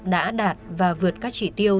đã đạt và vượt các trị tiêu